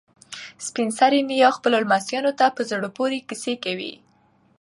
سپین سرې نیا خپلو لمسیانو ته په زړه پورې کیسې کوي.